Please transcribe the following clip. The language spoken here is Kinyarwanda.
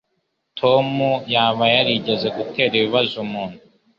Tom yaba yarigeze gutera ibibazo umuntu?